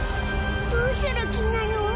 どうする気なの？